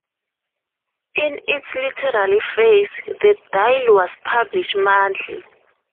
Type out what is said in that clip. In its literary phase, "The Dial" was published monthly.